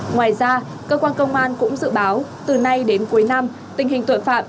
ngoài ra cơ quan công an cũng dự báo từ nay đến cuối năm tình hình tội phạm